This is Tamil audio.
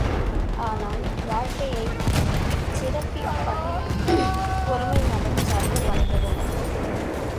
ஆனால் வாழ்க்கையைச் சிறப்பிப் பதில் ஒருமைநலம் சார்ந்த பண்புகள்!